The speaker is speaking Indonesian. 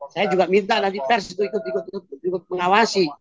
saya juga minta nanti pers itu ikut ikut mengawasi